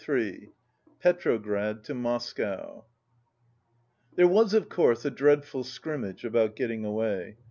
19 PETROGRAD TO MOSCOW There was, of course, a dreadful scrimmage about getting away.